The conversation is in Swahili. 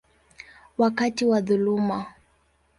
wakati wa dhuluma.